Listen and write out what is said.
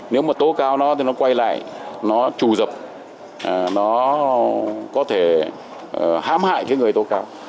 nếu mà tố cáo nó thì nó quay lại nó trù dập nó có thể hám hại cái người tố cáo